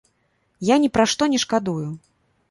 Я ні пра што не шкадую.